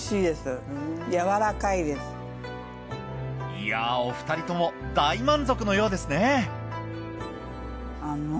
いやお二人とも大満足のようですね。